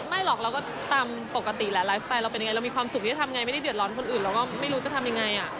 ไม่หรอกเราก็ตามปกติแหละไลฟ์สไตล์เราเป็นยังไงเรามีความสุขที่จะทำไงไม่ได้เดือดร้อนคนอื่นเราก็ไม่รู้จะทำยังไง